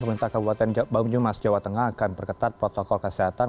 pemerintah kabupaten banyumas jawa tengah akan perketat protokol kesehatan